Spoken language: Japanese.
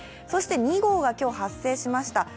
そして２号が今日発生しました。